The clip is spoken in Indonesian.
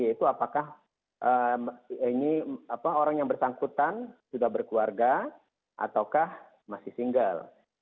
yaitu apakah orang yang bersangkutan sudah berkeluarga ataukah masih single